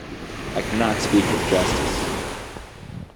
I cannot speak with justice.